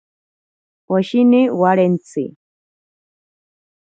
Poshini warentsi.